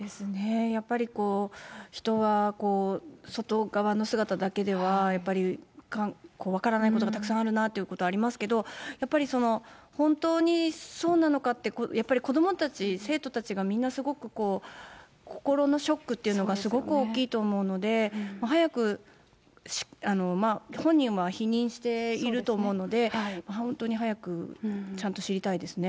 やっぱり人は外側の姿だけでは、やっぱり分からないことがたくさんあるなということがありますけど、やっぱり本当にそうなのかって、やっぱり子どもたち、生徒たちがみんなすごく心のショックというのがすごく大きいと思うので、早く、本人は否認していると思うので、本当に早くちゃんと知りたいですね。